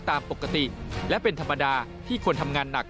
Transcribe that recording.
ตามปกติและเป็นธรรมดาที่ควรทำงานหนัก